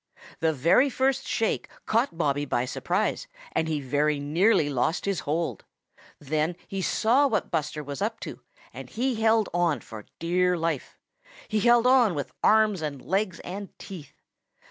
The very first shake caught Bobby by surprise, and he very nearly lost his hold. Then he saw what Buster was up to, and he held on for dear life. He held on with arms and legs and teeth.